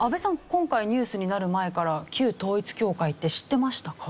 今回ニュースになる前から旧統一教会って知ってましたか？